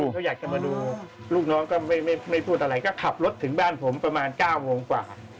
เขาอยากจะมาดูลูกน้องก็ไม่พูดอะไรก็ขับรถถึงบ้านผมประมาณ๙โมงกว่า